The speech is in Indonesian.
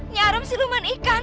nyai arum siluman ikan